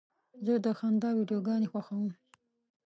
زه د خندا ویډیوګانې خوښوم.